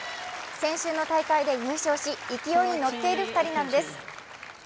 先週の大会で優勝し勢いに乗っている２人なんです。